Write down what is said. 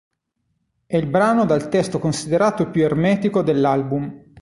È il brano dal testo considerato più "ermetico" dell'album.